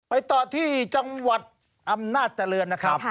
ต่อที่จังหวัดอำนาจเจริญนะครับ